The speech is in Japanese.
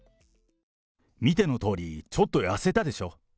見てのとおり、ちょっと痩せたでしょ？